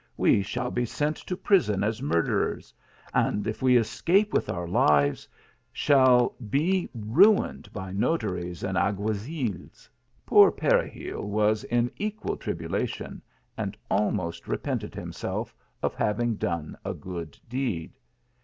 We shall be sent to prison as murderers ; and if we escape with our lives, shall be ruined by notaries and alguazils." Poor Peregil was in equal tribulation, and almost repented himself of having done a good deed.